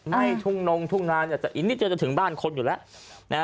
ไม่ทุ่งนงทุ่งนาเนี่ยแต่อีกนิดเดียวจะถึงบ้านคนอยู่แล้ว